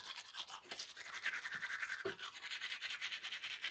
rais aliyeshinda uchaguzi nchini cote devoire alasun raman watera ukipenda ado